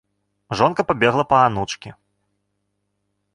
Жонка пабегла па анучкі.